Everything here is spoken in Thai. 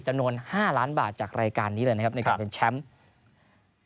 จำนวน๕ล้านบาทจากรายการนี้เลยนะครับในการเป็นแชมป์